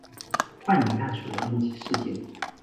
幻影袋鼠的目击事件。